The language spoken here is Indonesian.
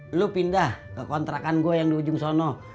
lo pindah ke kontrakan gue yang di ujung sono